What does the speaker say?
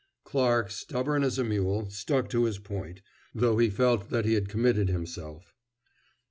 Clarke, stubborn as a mule, stuck to his point, though he felt that he had committed himself.